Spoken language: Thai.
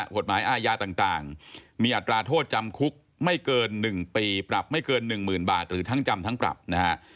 กฎหมายอาญาต่างมีอัตราโทษจำคุกไม่เกิน๑ปีปรับไม่เกิน๑๐๐๐บาทหรือทั้งจำทั้งปรับนะฮะ